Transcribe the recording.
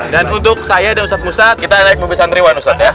dan untuk saya dan ustad musad kita naik mobil santriwan ya